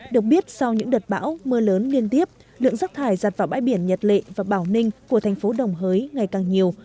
được biết sau những đợt bão mưa lớn liên tiếp lượng rắc thải giặt vào bãi biển nhật lệ và bảo ninh của thành phố đồng hới ngày càng nhiều